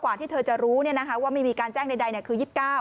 กว่าที่เธอจะรู้เนี่ยนะคะว่าไม่มีการแจ้งใดคือ๒๙